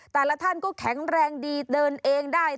แต่ละท่านก็แข็งแรงดีเดินเองได้